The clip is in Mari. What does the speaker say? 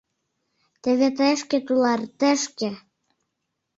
— Теве тышке, тулар, тышке!